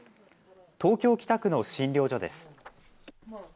東京北区の診療所です。